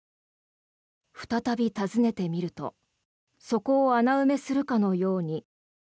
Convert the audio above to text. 再び訪ねてみるとそこを穴埋めするかのように。